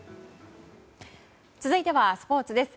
続いてはスポーツです。